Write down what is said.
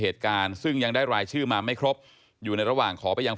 เหตุการณ์ซึ่งยังได้รายชื่อมาไม่ครบอยู่ในระหว่างขอไปยัง